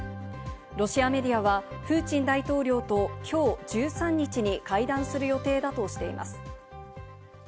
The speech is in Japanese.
ロシアメディアはプーチン大統領と、きょう１３日に会談する予定だとしています。